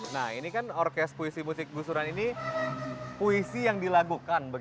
nah ini kan orkes puisi musik gusuran ini puisi yang dilakukan